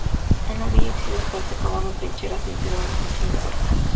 En la orilla occidental se cavaron trincheras a intervalos entre los puestos.